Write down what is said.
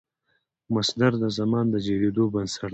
مصدر د زمان د جوړېدو بنسټ دئ.